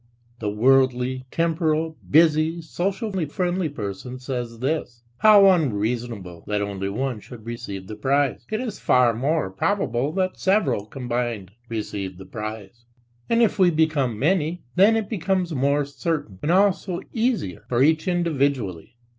The worldly, temporal, busy, socially friendly person says this: "How unreasonable, that only one should receive the prize, it is far more probable that several combined receive the prize; and if we become many, then it becomes more certain and also easier for each individually."